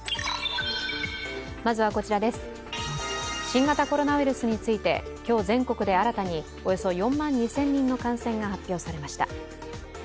新型コロナウイルスについて、今日全国で新たにおよそ４万２０００人の感染が発表されました。